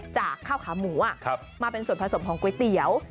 จากข้าวขาหมูมาเป็นส่วนผสมของก๋วยเตี๋ยว